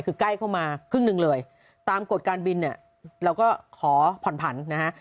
คือใกล้เข้ามาครึ่งหนึ่งเลยตามกฎการบินเนี่ยเราก็ขอผ่อนผันนะฮะ